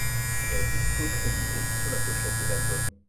Il a été cocrédité sur la pochette de l'album.